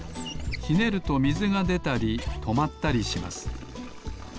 ひねるとみずがでたりとまったりします。